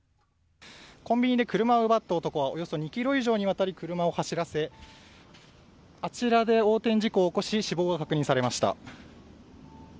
コンビニで車を奪った男はおよそ２ｋｍ以上にわたって車を走らせあちらで横転事故を起こし死亡が確認されました。